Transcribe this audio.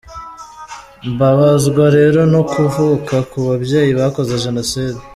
Mbabazwa rero no kuvuka ku babyeyi bakoze Jenoside”.